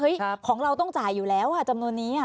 ของเราต้องจ่ายอยู่แล้วจำนวนนี้